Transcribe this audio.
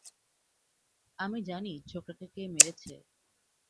আমি জানি ছোকড়াকে কে মেরেছে।